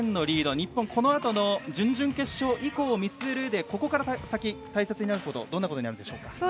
日本はこのあとの準々決勝以降を見据えるうえでここから先、大切になることはどんなことになるんでしょうか。